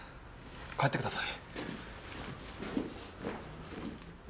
帰ってください。